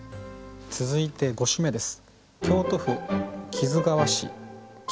続いて５首目です。